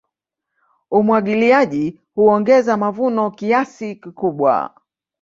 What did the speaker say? Umwagiliaji huongeza mavuno kiasi kikubwa.